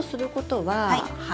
はい。